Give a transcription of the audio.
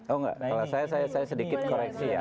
oh enggak kalau saya sedikit koreksi ya